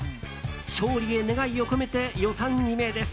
勝利へ願いを込めて予算決めです。